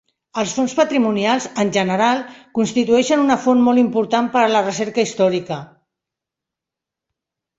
Els fons patrimonials, en general, constitueixen una font molt important per a la recerca històrica.